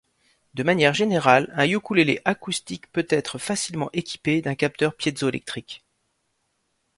De manière générale un ukulélé acoustique peut être facilement équipé d’un capteur piézoélectrique.